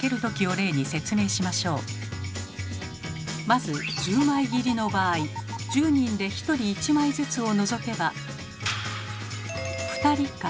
まず１０枚切りの場合１０人で１人１枚ずつを除けば２人か。